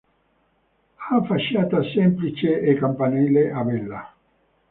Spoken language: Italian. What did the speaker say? Ha facciata semplice e campanile a vela.